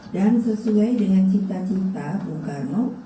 dan sesuai dengan cita cita bung karno